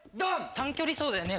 短距離走だよね？